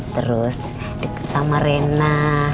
terus deket sama rena